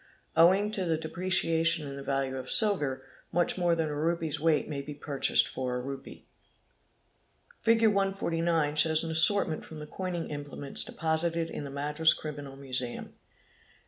Owing to the depreciation in the value of silver much more than a rupee's weight may be purchased for a rupee. | if Figure 149 shows an assortment, from the coining implements de — posited in the Madras Criminal Museum.